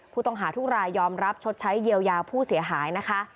ผู้ต้องหาทุกรายยอมรับชดใช้เยียวยาผู้เสียหายนะคะ